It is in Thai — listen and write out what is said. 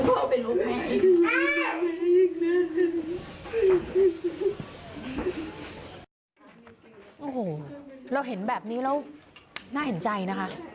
โอ้โหเราเห็นแบบนี้แล้วน่าเห็นใจนะคะ